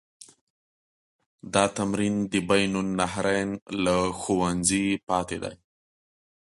دا تمرین د بین النهرین له ښوونځي پاتې دی.